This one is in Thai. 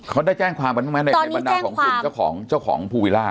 เขาได้แจ้งความประมาณไหนในบ้านนับของคุณเจ้าของภูวิล่า